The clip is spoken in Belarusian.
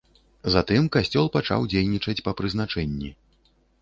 Затым касцёл пачаў дзейнічаць па прызначэнні.